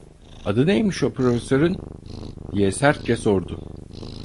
"Adı neymiş o profesörün?" diye sertçe sordu.